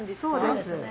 そうです。